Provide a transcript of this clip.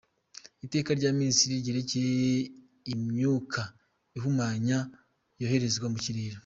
Iteka rya Minisitiri ryerekeye imyuka ihumanya yoherezwa mu kirere.